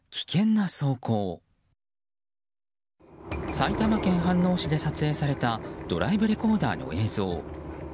埼玉県飯能市で撮影されたドライブレコーダーの映像。